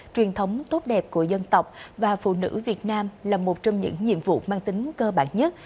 truyền thống tốt đẹp của dân tộc và phụ nữ việt nam là một trong những nhiệm vụ mang tính cơ bản nhất